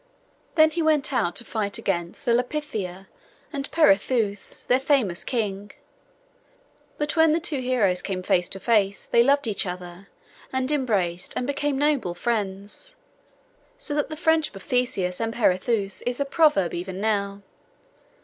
Then he went out to fight against the Lapithai, and Peirithoos their famous king: but when the two heroes came face to face they loved each other, and embraced, and became noble friends; so that the friendship of Theseus and Peirithoos is a proverb even now.